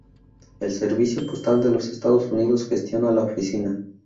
El Servicio Postal de los Estados Unidos gestiona la oficina.